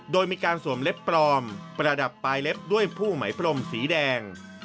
โดยมีการสวมเล็บปลอมประดับปลายเล็บด้วยผู้ไหมพรมสีแดง